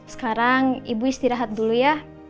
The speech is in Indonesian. sekarang ibu istirahat dulu ya